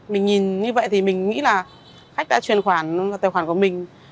mình nhìn như vậy thì mình nghĩ là khách đã truyền khoản tài khoản của mình